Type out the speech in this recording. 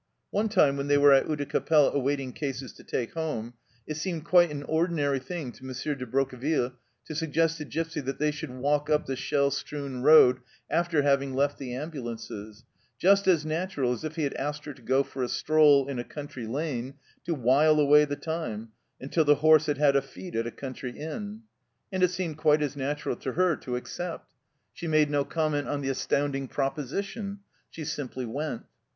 One time, when they were at Oudecappelle awaiting cases to take home, it seemed quite an ordinary thing to M. de Broqueville to suggest to Gipsy that they should walk up the shell strewn road after having left the ambulances just as natural as if he had asked her to go for a stroll in a country lane to wile away the time until the horse had had a feed at a country inn. And it seemed quite as natural to her to accept. She A HIDEOUS NIGHT DRIVE 105 made no comment on the astounding proposition. She simply went.